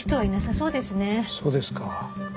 そうですか。